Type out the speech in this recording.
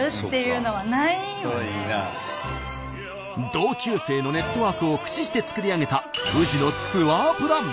同級生のネットワークを駆使して作り上げた宇治のツアープラン